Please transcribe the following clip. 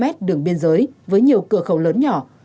hai mươi km đường biên giới với nhiều cửa khẩu lớn nhỏ